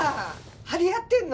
張り合ってんの？